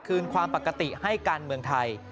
คืนความปกติให้การเมืองไทย